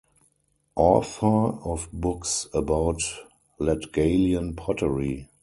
Author of books about Latgalian pottery.